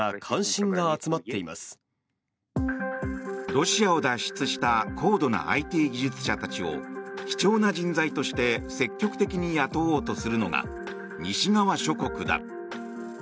ロシアを脱出した高度なＩＴ技術者たちを貴重な人材として積極的に雇おうとするのが西側諸国だ。